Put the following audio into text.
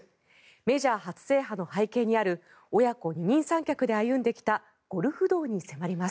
メジャー初制覇の背景にある親子二人三脚で歩んできたゴルフ道に迫ります。